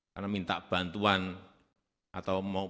karena minta bantuan atau mau